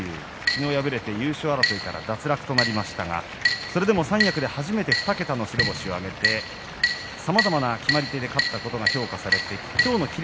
昨日、敗れて優勝争いから脱落となりましたがそれでも三役で初めて２桁の白星を挙げてさまざまな決まり手で勝ったことが評価されて今日の霧